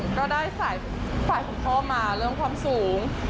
ก็ได้สายฝ่ายของพ่อมาเรื่องความสูง